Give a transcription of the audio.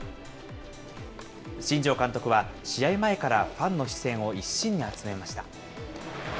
新庄監督は、試合前からファンの視線を一身に集めました。